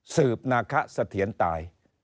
สืบนาคาเสถียนตาย